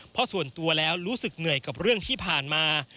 เพราะส่วนตัวแล้วรู้สึกเหนื่อยกับเรื่องที่ผ่านมา